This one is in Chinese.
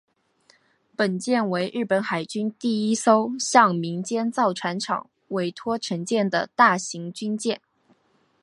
本舰为日本海军第一艘向民间造船厂委托承建的大型军舰。